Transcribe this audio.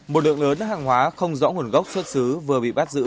một lượng lớn hàng hóa không rõ nguồn gốc xuất xứ vừa bị bắt giữ